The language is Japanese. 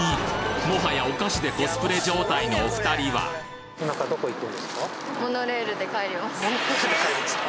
もはやお菓子でコスプレ状態のお２人はモノレールで帰るんですか。